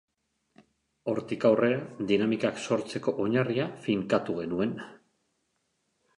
Hortik aurrera dinamikak sortzeko oinarria finkatu genuen.